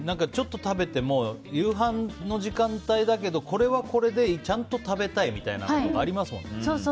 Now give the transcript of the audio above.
ちょっと食べても夕飯の時間帯だけどこれはこれでちゃんと食べたいみたいなのってありますもんね。